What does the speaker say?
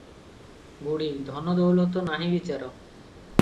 ବୁଢ଼ୀ – ଧନ ଦଉଲତ ନାହିଁ ବିଚାର